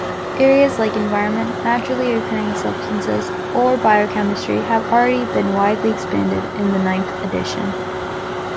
Areas like environment, naturally occurring substances or biochemistry have already been widely expanded in the ninth edition.